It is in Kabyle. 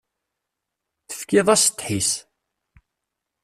Tefkiḍ-as ddḥis.